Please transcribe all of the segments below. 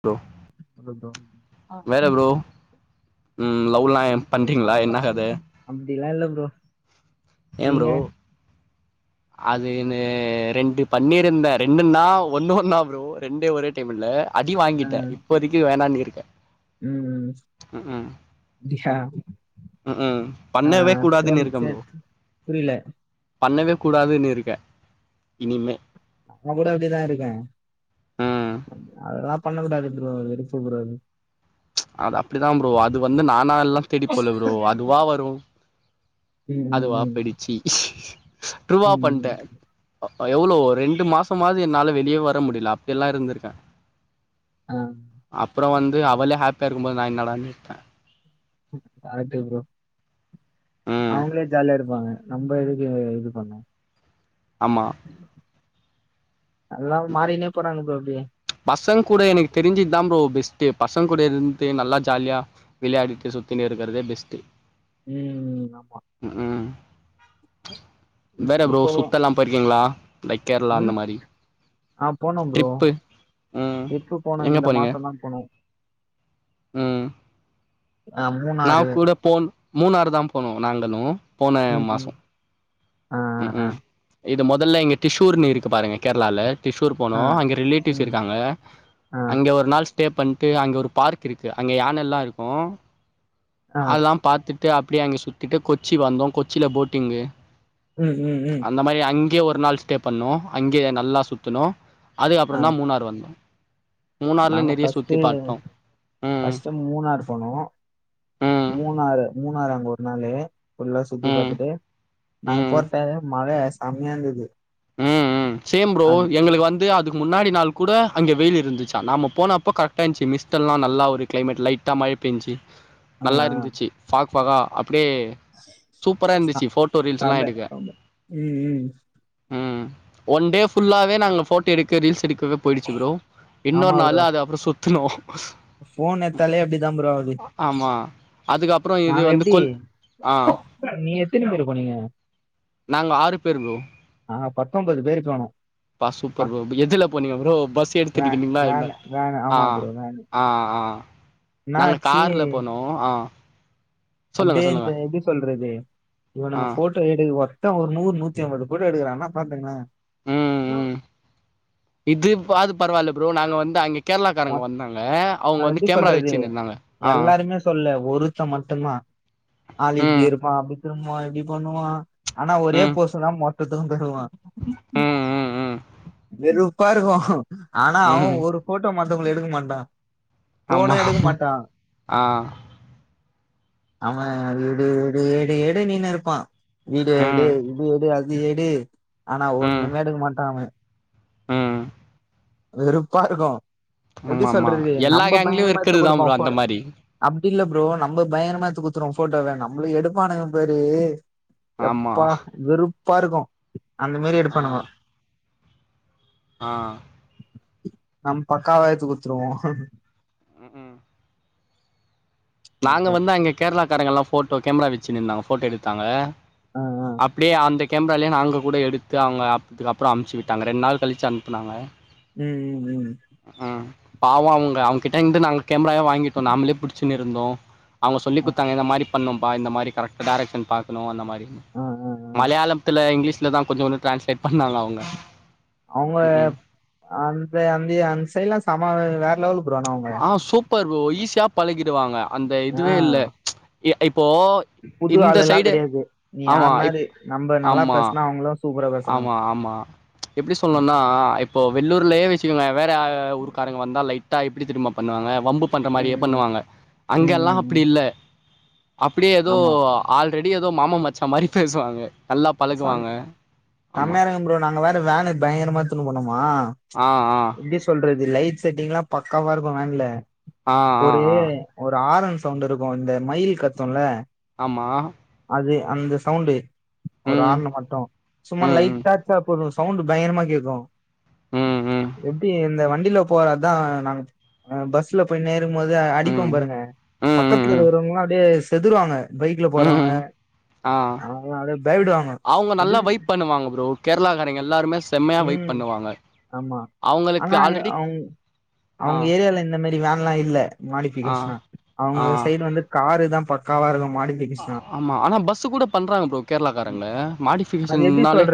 Bro hello bro வேற bro ம் love லாம் பண்றிங்ளா என்னதது அப்டிலா இல்ல ப்ரோ ஏம் ப்ரோ நீங்க அதுனு ரெண்டு பண்ணிருந்தே ரெண்டுன்னா ஒன்னு ஒன்னா ப்ரோ ரெண்டே ஒரே டைம் இல்ல அடி வாங்கிட்டே இப்போதைக்கு வேணானு இருக்க ம் ம் அப்டியா அ அ ஆ பண்ணவே சேம் கூடாதுன்னு இருக்கம் ப்ரோ சேம் புரில பண்ணவே கூடாதுன் இருக்கே இனிமே நம்ம கூட அப்டிதா இருக்க ம் அதலா பண்ணக்கூடாதுன்ட்ருவாங் அதுவரைக் சூப்பரா இருக்குன் அது அப்டிதா ப்ரோ அது வந்து நானா எல்லா தேடி போல ப்ரோ அதுவா வரு ம் ம் அதுவா ம் போயிடிச்சி ட்ரூவா ம் பண்ட்ட ம் எவ்ளோ ரெண்டு மாசமாது என்னால வெளியவே வர முடில அப்டியெலா இருந்திருக்க ஆ அப்ற வந்து அவளே ஹேப்பியா இருக்கும்போது நா என்னடான் விட்டே கரெட்டு ப்ரோ ம் அவுங்ளே ஜாலியாருக் ங்க நம்ம எதுக்கு இது இது பண்ண ஆமா எல்லா மாறினே போறாங்க ப்ரோ அப்டியே பசங் கூட எனக்கு தெரிஞ்சு இதா ப்ரோ பெஸ்ட் பசங்க கூட இருந்து நல்லா ஜாலியா விளையாடிட்டு சுத்தினு இருக்கறதே பெஸ்ட்டு ம் ஆமா ம் இப்- வேற ப்ரோ இப்போ சுத்தெல்லா போயிருக்கிங்ளா லைக் கேரளா ம் அந்த மாரி ஆ போனம் ப்ரோ ட்ரிப்பு ம் ட்ரிப்பு போனோ எங்க இந்த போனீங்க மாசந்தா போனோ ம் ஆ நா மூணாறு கூட போன் மூணாறு தா போனோ நாங்களு போன ம் மாச ம் ஆ ம் ஆ ம் இது மொதல்ல இங்க டிஷூர்னு இருக்கு பாருங்க கேரளால டிஷூர் ஆ போனோ அங்க ரிலேட்டிவ்ஸ் ம் இருக்காங்க ஆ அங்க ஒரு நாள் ஸ்டே பண் ட்டு அங்க ஒரு பார்க் இருக்கு அங்க யானைலா இருக்கு ஆ அதாம் பாத்துட் டு அப்டியே அங்க சுத்திட்டு கொச்சி வந்தோ கொச்சில போட்டிங்கு ம் ம் ம் அங்கயு ஒரு நாள் ஸ்டே பண்ணோ அங்கே நல்லா சுத்துணோ ஆ, அதுக்கப்புறந்தா மூணார் வந்தோ மூணார்ல நாங்க நெறைய சுத்தி ஃபஸ்ட்டு பாத்தோ ம் ஃபஸ்ட் மூணாறு போனோ ம் மூணாறு மூணாறு அங்க ஒரு நாளு ஃபுல்லா சுத்தி ம் பாத்துட்டு நாங்க ம் போன டைம்ல மழ செமையா இருந்துது ம் ம் சேம் ப்ரோ எங்ளுக்கு வந்து அது முன்னாடி நாள் கூட அங்கே வெயில் இருந்துச்சா நாம போனப்ப கரெக்டா இர்ந்ச்சு மிஸ்ட் எல்லா நல்லா ஒரு கிளைமேட் லைட்டா மழ பேஞ்சு ஆ நல்லா இருந்துச்சு ஃபாக் ஃபாகா அப் டியே சூப்பரா ச இருந்துச்சு ஃபோட்டோ ரீல்ஸ்லா செம எடுக்க செம. ம், ம். ம் ஒன் டே ஃபுல்லாவே நாங்க ஃபோட்டோ எடுக்க ரீல்ஸ் எடுக்கவே போயிடுச்சு ப்ரோ ஆமா இன்னொரு ப்ரோ. நாள் அது அப்ற சுத்துனோ ஃபோன் எடுத்தாலே அப்டிதான் ப்ரோ ஆகுது. ஆமா அதுக்கப்புற இது வந்து கொல் ஆ நீ எத்தினி பேரு போனிங்க நாங்க ஆறு பேரு ப்ரோ ஆஹ் பத்தொன்பது பேரு போனோம் பா சூப்பர் பத் ப்ரோ எதுல போனீங்க ப்ரோ பஸ் வே எடுத்துக்கிட்டீங்களா என்ன வேன் வேன் ஆமா ஆஹ் ப்ரோ வேன். ஆஹ் ஆஹ் நாங்க என்னாச்சு கார்ல போனோம் ஆஹ் அப்டியே இந்த எப்டி சொல்றது ஆ இவனுங்க போட்டோ எடு வா ஒரு நூறு நூத்தி ஐம்பது போட்டோ எடுக்கறாங்கன்னா பாத்துங்கங்களேன் உம் உம் இதுவாது பரவாயில்ல ப்ரோ நாங்க வந்து அங்க கேரளாக்காரங்க வந்தாங்க அவங்க நான் வந்து எப்படி கேமரா வச்சுட்டு இருந்தாங்க ஆஹ் ஒருத்தே மட்டுதான் ஆலு இப்படி ம் இருப்பான் அப்படி திரும்புவான் இப்படி பண்ணுவான் ஆனா ஒரே ம் போசு தான் மொத் மொத்ததுக்கும் தருவான் ம் ம் ம் வெறுப்பா இருக்கும் ஆனா அவே ம் ஒரு போட்டோ மத்தவங்கல எடுக்க மாட்டான் போனே ஆமா எடுக்க ஆமா மாட்டான் ஆ ஆமா எடு எடுஎடு எடு நீன்னுனு இருப்பான் வீடியோ ம் எடு இது எடு அது எடு ஆனா ம் ஒண்ணுமே எடுக்க மாட்டான் அவன் ம் வெறுப்பாருக்கும் எப்டி ஆமா ஆமா சொல்றது எல்லா நம்ப கேங்லயு பயங்கரமா எடுத்து இருக்கிறது தா ப்ரோ கொடுப்போம் அந்த போன்ல மாரி அப் அப்டி இல்ல ப்ரோ நம்ப பயங்கரமா எடுத்து குடுத்துறுவோம் போட்டோவ நம்மளுக்கு எடுப்பானுங்க பாரு ஆமா எப்பா வெறுப்பா இருக்கும் அந்த மாரி எடுப்பானுங்க ஆஹ் நம் பக்காவா எடுத்து குடுத்துருவோம் உம் உம் நாங்க ஆ வந்து அங்க கேரளக்காரங்கலாம் போட்டோ கேமரா வச்சு நின்னாங்க போட்டோ எடுத்தாங்க ஆ அப்டியே அந்த கேமரால்லேயே நாங்க கூட எடுத்து அவங்க ஆப்புது அப்புற அனுப்ச்சி விட்டாங்க ரெண்டு நாள் கழிச்சி அனுப்புனாங்க ம் ம் ம் பாவம் அவங்க அவங்ககிட்ட இருந்து நாங்க கேமராவ வாங்கிட்டோம் நாம்ளே புடிச்சின்னு இருந்தோம் அவங்க சொல்லி ஆ குடுத்தாங்க இந்த மாதிரி பண்ணணும்பா இந்த மாதிரி கரெட் டைரக்க்ஷன் பாக்கணும் அந்த மாரி ஆ ஆ ஆ மலையாளத்துல இங்கிலீஷ்லதான் கொஞ்சம் கொஞ்சம் ட்ரான்ஸ்லேட் பண்ணாங்க அவங்க அவங்க ம் அந்த அந்த அந்த சைடலாம் செம வேற லவல் ஆஹ் சூப்பர் ப்ரோ ஈஸியா பழகிடுவாங்க அந்த ஆ இதுவே இல்ல இ இப்ப இப்போ புது இந்த ஆள் எல்லா சைடு கெடையாது நீ ஆமாப் யாருனாரு நம்ம நல்லா ஆமா பேசுனா அவங்களு சூப்பரா பேசுறாங்க ஆமா ஆமா எப்டி ம் சொல்லணும்னா இப்போ வெள்ளூர்லயே வச்சுக்கோங்களே வேற ஊர்க்காரங்க வந்தா லைட்டா எப்படி தெரியுமா பண்ணுவாங்க வம்பு பண்ற மாரியே ம் பண்ணுவாங்க ம் அங்கல்லாம் ம் அப்டி ம் இல்ல அப்படியே ஏதோ ஆமா ஆல்ரெடி ஏதோ மாமன் மச்சா மாதிரி பேசுவாங்க நல்லா பழகுவாங்க ஆமா செம்மயா இருக்கும் ப்ரோ நாங்க வேற வேனு பயங்கரமா எடுத்து போனோமா ஆ ஆ எப்டி சொல்றது லைட் செட்டிங்லாம் பக்காவா இருக்கும் வேன்ல ஆ ஆ ஒரு ஆ ஒரு ஆரன் சவுன்டு இருக்கும் இந்த மயில் கத்தும்ல ஆமா அ அந்த சவுண்ட்டு ஒரு ம் ஆரனு மட்டும் சும்மா ம் லைட்டா [unintelligible] சவுண்டு பயங்கரமா கேக்கும் ம் ம் எப்டி இந்த வண்டில போற அதான் நாங்க பஸ்ல போய்னே போது ம் அடிப்போம் ம் பாருங்க ம் ம் பக்கத்தில இருக்கவங்கலாம் அப்படியே செதருவாங்க பைக்ல ம் போறவங்க ம் ஆ அவங்கலாம் அவங்க நல்லா வைப் பண்ணுவாங்க ப்ரோ கேரளா காரங்க எல்லாருமே செம்மையா வைப் ம் பண்ணுவாங்க ஆமா அவங்களுக்கு ஆனா ஆல்ரெடி அவங்க ஆ அவங்க ஏரியால இந்த மேரி வேன்லாம் இல்ல ஆ மாடிபிகேஷனா அவங்க ஆ சைடு வந்து காரு தான் பக்காவா இருக்கும் ஆமா ஆனா பஸ்ஸு கூட பண்றாங்க ப்ரோ கேரளக்காரங்க மாடிஃபிகேஷன்னாலே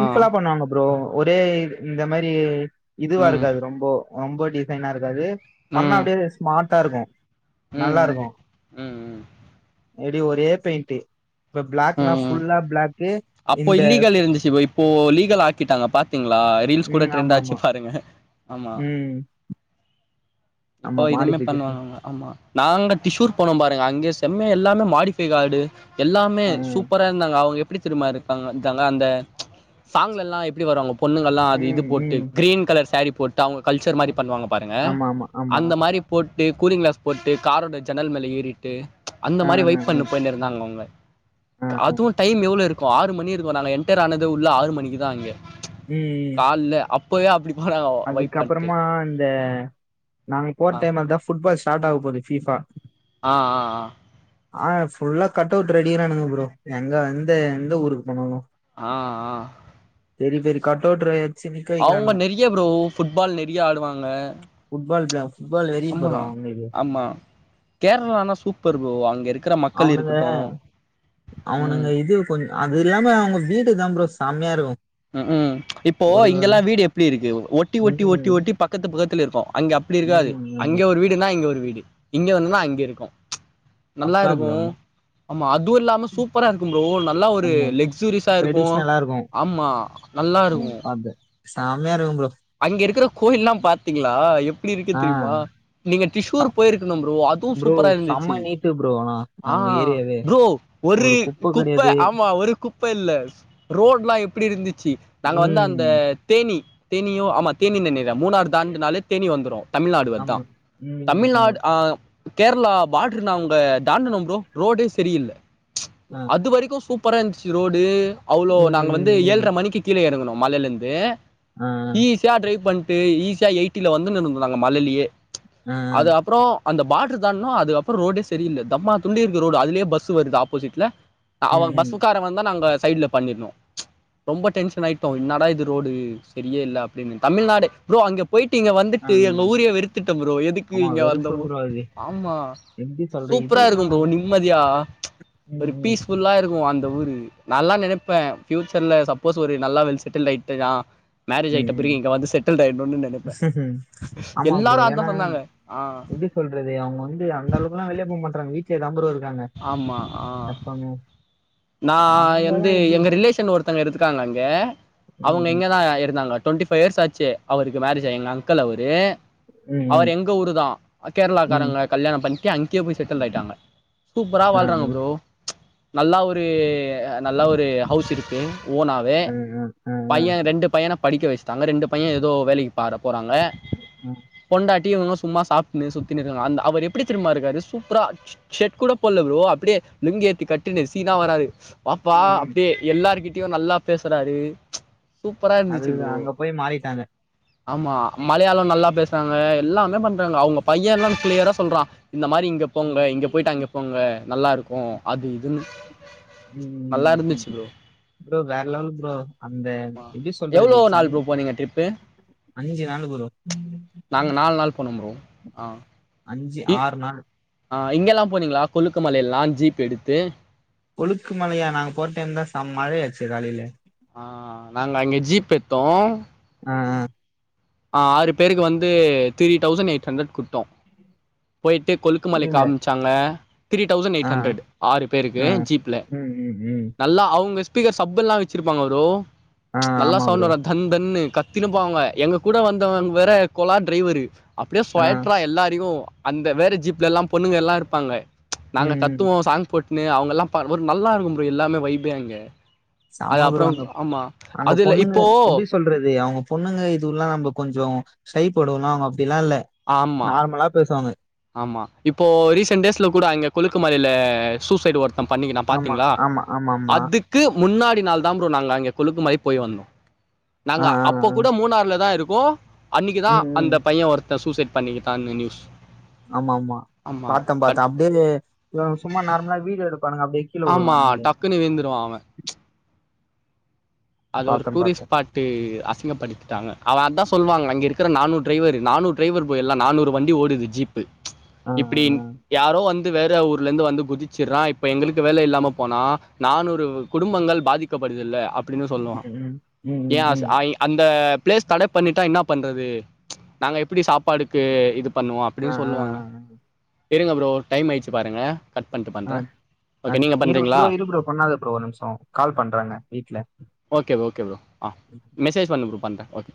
ஆ பண்ணுவாங்க அப்றோ ஒரே இந்த மரி ம் இதுவாருக்காது ரொம்போ ரொம்ப டிசைனா இருக்காது பண்ணா ம் அப்டே ஸ்மார்ட்டா இருக்கு ம் நல்லா ம் இருக்கு ம் ம் எப்டி ஒரே பெயிண்ட்டு இப்ப பிளாக்குனா ம் ஃபுல்லா பிளாக்கு அப்போ இந்த இல்லீகல் இருந்துச்சு போ இப்போ லீகல் ஆ கிட்டாங்க பாத்தீங்ளா ரீல்ஸ் கூட ம் ஆமா ட்ரெண்டாச்சு ஆமா பாருங்க ஆமா ம் ஆமா இப்போ இதுமே மாடிஃபிகேஷன் பண்ணுவாங்கங்க ஆமா நாங்க டிஷூயுர் போனோ பாருங்க அங்க செம்மையா எல்லாமே மாடிஃபை கார்டு எல்லாமே ஆ சூப்பராருந்தாங்க அவங்க எப் எப்டிதெரிமா இருப்பாங் வச்சாங்க அந்த [unintelligible] சாங்லலா எப்டி வருவாங்க பொண்ணுங்கல்லா அது இது ம் போட்டு ம் கிரீன் கலர் சாரீ போட்டு அவங்க கல்ச்சர் மாரி பண்ணுவாங்க பாருங்க ஆமா ஆமா ஆமா அந்த மாரி போட்டு கூலிங் கிளாஸ் போட்டு காரோட ஜன்னல் மேல ஏறிட்டு அந்த ஆ மாரி ஆ ஆ வைப் பண்ட்டு போயினுருந்தாங்க அவுங்க ஆ ஆ அதுவு டைம் எவ்ள இருக் கு ஆறு மணிருக்கு நாங்க என்ட்டர் ஆனது உள்ள ஆறு மணிக்கு தா அங்க [inaudible] கால்ல அப்பவே அப்டி போனாங்க வைப் பண்ட்டு அதுக்கப்றமா இந்த நாங்க போற ஆ டைம்ல தா ஃபுட்பால் ஸ்டார்ட் ஆக போகுது ஃபீபா ஆ ஆ ஆ ஆ ஃபுல்லா கட்டவுட் ரெடிக்ரானுங்க ப்ரோ எங்க எந்த எந்த ஊருக்கு போனாலு ஆ ஆ பெரி பெரிய கட்டவுட்றே அவங்க நிறைய ப்ரோ ஃபுட்பால் நிறைய ஆடுவாங்க ஃபுட்பால் தா ஃபுட்பால் வெரி ஆமா ப்ரோ அவுங்குளுக்கு ஆமா கேரளானா சூப்பர் ப்ரோ அங்க இருக்ற மக்கள் இருக்குட்டு அவுனுங்க இது கொஞ் அது இல்லாம அவுங்க வீடு தா ப்ரோ செம்மையா இருக்கு ம் கும் இப்போ ஒரு ஒரு இங்கெல்லா வீடு எப்டி இருக்கு ஒட்டி ஒட்டி ஒட்டி ம் ஒட்டி பக்கத்து பக்கத்துலருக்கு அங்க அப் அப்டி இருக்காது ம் அங்க ஆமா ஒரு வீடுனா இங்க ஒரு வீடு இங்க வந்னா அங்க இருக்கு நல்லா பக்கா இருக்கு ப்ரோ ஆமா அது டூர்லாம சூப்பரா இருக்கு ப்ரோ நல்லா ஒரு ஆமா லெக்சூரிஸா இருக்கு ட்ரெடிஷ்னலா இருக்கு ஆமா ஆ நல்லா இருக்கு செமயா இருக்கு ப்ரோ அங்க இருக்குற கோயில்லா பாத்தீங்ளா எப்டி இருக்கு ஆ தெரியுமா நீங்க த்ஷ்யூர் போயிருக்குணு பரோ அது ப்ரோ சூப்பரா செம்ம இருந்துச்சி நீட்டு ப்ரோ ஆனா ஆ அவங்க ஏரியாவே ப்ரோ ஒரு குப்ப ஆமா ஒரு குப் குப்ப இல்ல ரோட்ல்லா எப்டி இருந்துச்சு நாங்க வந்து அந்த ம் தேனி தேனியோ ஆமா தேனினு நெனைக்ற மூணாறு தாண்டுனாலே தேனி வந்துரு தமிழ்நாடு அதா ஆமா ம் ஆமா தமிழ்நாடு ஆ கேரளா பாட்ருன் அவங்க தாண்டனு ப்ரோ ரோடே [inaudible] செரியில்ல ஆ அது வரைக்கு சூப் ப்பராந்துச்சி ரோடு அவ்ளோ ம் நாங்க ம் வந்து ம் ஏழ்ற்ர மணிக்கு கீழ எறங்குனோ மலைலேந்து ஆ ஈஸியா ட்ரைவ் பண்ட்டு ஈஸியா எயிட்டில வந்துனுன் இருந்தோ நாங்க மலைலியே ஆ ஆ அது அப்றோ அந்த பாட்ரு தான்னோ அதுக்கப்றோ ரோடே செரியில்ல தம்மா துண்டுக்குது ரோடு அதிலே பஸ் வருது ஆப்போசிட்ல அவ ம் ம் பஸ்சுக்கார வந்தா நாங்க சைட்ல பண்ணிஞ்சின்னு ரொம்ப டென்ஷனாயிட்டோ இன்னடா இது ரோடு செரியே இல்ல அப்டின்னு தமிழ்நாடு ப்ரோ அங்க போயிட்டு இங்க ஆ வந்துட்டு எங்க ஊரையே வெறுத்துட்டோ ப்ரோ எதுக்கு ஆமா இங்க வெறுப்பு வந்தமோ ப்ரோ அது ஆமா எப்படி சொல்றது சூப்பரா இருக்கு இதுதான் ப்ரோ நிம்மதியா ம், ஒரு ம், பீஸ்ஃபுல்லா இருக்கு அந் இந்த ஊரு நான்லா நெனைப்பே ஃபியூச்சர்ல சப்போஸ் ஒரு நல்லா வெல் செட்டில்டு ஆயிட்ட நா மேரேஜ் ம், ஆயிட்ட பிறகு ம். இங்க வந்து செட்டில்டு ஆயின்ணுனு நெனைப்பே எல்லாரு அதா சொன்னாங்க ஆ எப்டி சொல்றது அவங்க வந்து அந்தளவுக்குலா வெளிய போ மாட்றாங்க வீட்லே தா ப்ரோ இருக் ஆமா ஆ நா அவங்க எந்து எல்லாம் எப்படி எங்க ரிலேஷன் ஒருத் ருத்தங்க இருக்குறாங்க அங்க அவுங்க ம், ம், இங்கதா இருந்தாங்க டொண்டி ஃபை இயர்ஸ் ஆச்சு அவருக்கு மேரேஜ் ஆயி எங்க அங்கல் அவரு அவரு ம், எங்க ஊரு தா ம், ம். கேரளாக்காரங்கள கல்யாணோ பண்ணிட்டு அங்கே போய் செட்டில் ஆயிட்டாங்க ப்பரா ஆ, வாழ்றாங்க ப்ரோ நல்லா ஒரு நல்லா ஒரு ஹவுஸ் இருக்கு ஓனாவே ஆ, ஆ, ஆ, ஆ, பைய ரெண்டு பையன படிக்க வெச்டாங்க ரெண்டு பைய எதோ வேலைக் பார போறாங்க ஆ. பொண்டாட் டியு இவுங்ளு சும்மா சாப்ட்டுனு சுத்தினு இருக்கா அந் அவரு எப்டி தெரிமா இருக்காரு சூப்ரா ல் ஷர்ட் கூட போல்ல ப்ரோ அப்டியே லுங்கி எத்து கட்டினு சீனா வராரு வாப்பா ம், அப்டியே எல்லாரு கிட் டியு நல்லா பேசுறாரு சூப்பரா அது இருந்துச்சு ப்ரோ அங்க போய் மாறிட்டாங்க ஆமா மலையாளோ நல்லா பேசுறாங்க எல்லாமே பண்றாங்க அவுங்க பையன்லா க்ளியேரா சொல்றா இந்த மாரி இங்க போங்க இங்க போயிட்டு அங்க போங்க நல்லாருக்கூ அது இதுன் நல்லா இருந்துச்சி ப்ரோ ப்ரோ வேற் லவல் ப்ரோ அந்த ஆமா எப்டி எவ்வளோ சொல்றது சன் நாள் ப்ரோ போனீங்க ட்ரிப்பு அஞ்சி நாளு ப்ரோ ஆ ப்ரோ ஆ அஞ்சி இ ஆற் நாளு ஆ இங்கெல்லா போனீங்களா கொழுக்கு மலைலா ஜீப் எடுத்து கொழுக்கு மலையா நாங்க போ டைம் தா செம் மழையாச்சே காலைலே ஆ நாங்க அங்கே ஜீப் எத்தோ ஆ ஆ ஆறு பேருக்கு வந்து திரீ டௌசண்ட் எயிட் ஹண்ட்ரட் குத்தோ போயிட்டு கொழுக்கு மலை இல்ல காம்ச்சாங்க த்ரீ டௌசண்ட் எயிட் ஆ ஹண்ட்ரட் ஆறு பேருக்கு ஆ, ஜீப்ல ம், ம், ம். நல்லா அவுங்க ஸ்பீகர் சப் எல்லா வச்சிருப்பாங்க ப்ரோ ஆ, நல்லா ஆமா சவுண்ட் ப்ரோ. வரு தன் தன்னு கத்தினு போவாங்க எங்க கூட வந்தவங் வேற கொலா டிரைவரு அப்டியே ஆ, சொலட்றா எல்லாரையு அந்த வேற ஜீப்ல எல்லாம்ப் பொண்ணுங்கல்லா இருப்பாங்க ம், நாங்க ம். கத்துவோ சாங்ஸ் போட் னு அவுங்க எல்லா பர் ஒர் நல்லாருக்கூ ப்ரோ எல்லாமே வைபே அங்கே சம ப்ரோ அங்கப் அங்க அதுல பொண்ணுங்க இப்போ எப்டி சொல்றது அவுங்க பொண்ணுங்க இதுவுலா நம்ப கொஞ்சோ ஷை படுல அவுங்க அப்டிலா இல்ல ஆமா நார்மலா பேசுவாங்க ஆமா இப்போ ரீசென்ட் டேஸ்ல கூட அங்க கொழுக்கு மலைல சூசைடு ஒர் த்த பண்ணிக்குனா ஆமா, பாத்தீங்ளா ஆமா, ஆமாமா. அதுக்கு முன்னாடி நாள் தா ப்ரோ நாங்க அங்க கொழுக்கு மலை போய் வந்தோ ஆ, நாங்க ஆ, அப்ப ஆ. கூட மூணாறுல தா இருக்கோ அன்னிக்கு தா ம், ம். அந்த பைய ஒருத்த சூசைட் பண்ணிக்கிட்டானு நியூஸ் ஆமா ஆமா ஆமா பாத்த கட் பாத்த அப்டே இவங் சும்மா நார்மலா வீடியோ எடுப்பானங்க அப்டே ஆமா டக்குனு விழுந்துருவா அவ அது ஒரு பார்த்தேன், டூரிஸ்ட் பார்த்தேன். ஸ்பாட் அசிங்கப்படுத்திடாங்க அவ அத்தா சொல்லுவாங்க அங்க இருக்கிற நானூற் டிரைவரு நானூற் டிரைவர் போய் எல்லா நானூறு வண்டி ஓடுது ஜீப்பு ஆ, ஆ, இப்டி ஆ. யாரோ வந் து வேற ஊர்லந்து வந்து குதிச்சிறா இப்ப எங்களுக்கு வேல இல்லாம போனா நானூறு குடும்பங்கள் பாதிக்கப்ப படுதுல அப்டின்னு சொல்லுவா ம், ம். ம், ம், ஏஸ் ம். ஐ அந்த பிளேஸ் தட பண்ணிட்டா என்ன பண்றது நாங்க எப்டி சாப்பாடுக்கு இது பண்ணுவோ ஆ, அப்டின் ஆ, ஆ. சொல்லுவாங்க செரிங்க ப்ரோ டைம் ஆய்ச்சு பாருங்க கட் பண்ணிட்டு ஆ பண்ணுறேன் ஆ ஓகே நீங்கள் இரு பண்ணுறீங்களா ப்ரோ இரு ப்ரோ பண்ணாத ப்ரோ ஒர் நிம்ஷோ கால் பண்றாங்க வீட்ல ஓகே ஓகே ப்ரோ ஆ மெசேஜ் பண்ணு ப்ரோ பண்ற ஓகே